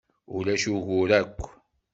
Ulac ugur akk.